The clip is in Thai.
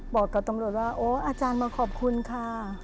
บอกกับตำรวจว่าโอ้อาจารย์มาขอบคุณค่ะ